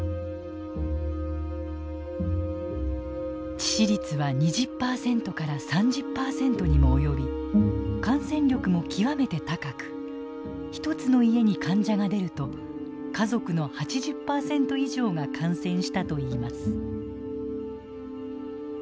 致死率は２０％から３０％にも及び感染力も極めて高く１つの家に患者が出ると家族の８０％以上が感染したといいます。